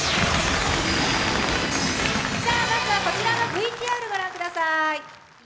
まずはこちらのＶＴＲを御覧ください。